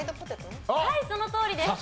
そのとおりです。